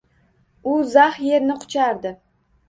U zax yerni quchardi.